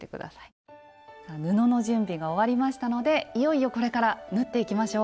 布の準備が終わりましたのでいよいよこれから縫っていきましょう。